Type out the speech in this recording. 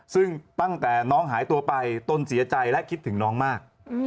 ซึ่งตั้งแต่น้องหายตัวไปตนเสียใจและคิดถึงน้องมาก